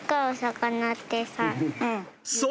そう！